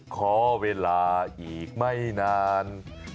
ขอเวลาอีกไม่นาน